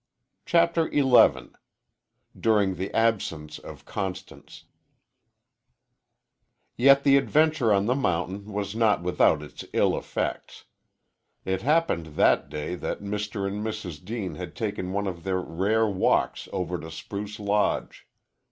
CHAPTER XI DURING THE ABSENCE OF CONSTANCE Yet the adventure on the mountain was not without its ill effects. It happened that day that Mr. and Mrs. Deane had taken one of their rare walks over to Spruce Lodge.